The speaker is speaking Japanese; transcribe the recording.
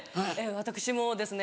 私もですね